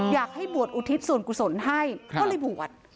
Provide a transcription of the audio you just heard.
อยากให้บวชอุทิศส่วนกุศลให้ก็เลยบวช